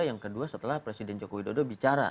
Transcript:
yang kedua setelah presiden joko widodo bicara